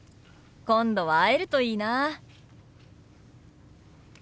今度は会えるといいな。